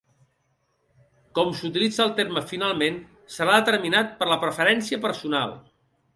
Com s'utilitza el terme finalment serà determinat per la preferència personal.